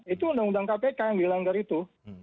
itu undang undang kpk yang dilanggar itu